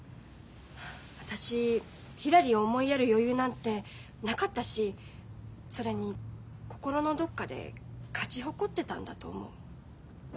私ひらりを思いやる余裕なんてなかったしそれに心のどっかで勝ち誇ってたんだと思う。